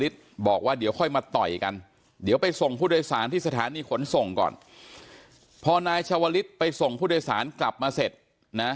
ต่อยกันเดี๋ยวไปส่งผู้โดยสารที่สถานีขนส่งก่อนพอนายชาวลิศไปส่งผู้โดยสารกลับมาเสร็จนะ